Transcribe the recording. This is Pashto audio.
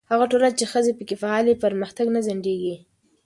هغه ټولنه چې ښځې پکې فعاله وي، پرمختګ نه ځنډېږي.